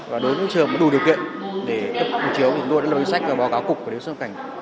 và đối với trường có đủ điều kiện để cấp hộ chiếu thì chúng tôi đã lấy sách và báo cáo cục quản lý xuất nhập cảnh